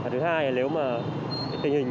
thứ hai là nếu mà tình hình